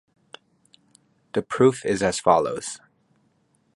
The proof is as follows.